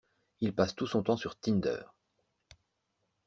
Il passe tout son temps sur Tinder.